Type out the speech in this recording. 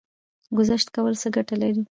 ګذشت کول څه ګټه لري؟